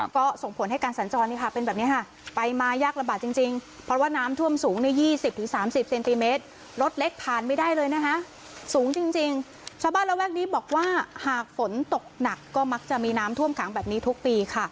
ก็ส่งผลให้การสัญจรนี่ค่ะเป็นแบบนี้ค่ะไปมายากลำบากจริงเพราะว่าน้ำท่วมสูงใน๒๐๓๐เซนติเมตรรถเล็กผ่านไม่ได้เลยนะคะสูงจริงชาวบ้านระแวกนี้บอกว่าหากฝนตกหนักก็มักจะมีน้ำท่วมขังแบบนี้ทุกปีค่ะ